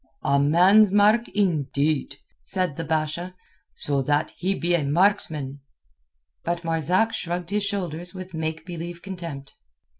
"A man's mark, indeed," said the Basha, "so that he be a marksman." But Marzak shrugged his shoulders with make believe contempt.